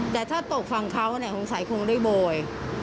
แต่ถ้าตกฝั่งเขาสงสัยคงได้โบย